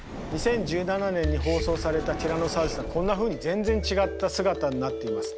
２０１７年に放送されたティラノサウルスはこんなふうに全然違った姿になっています。